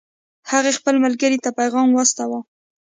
هغې خپل ملګرې ته پیغام واستاوه